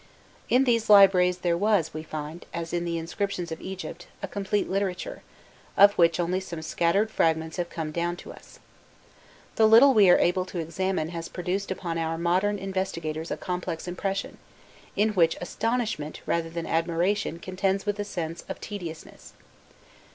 In these libraries there was, we find, as in the inscriptions of Egypt, a complete literature, of which only some shattered fragments have come down to us. The little we are able to examine has produced upon our modern investigators a complex impression, in which astonishment rather than admiration contends with a sense of tedious ness.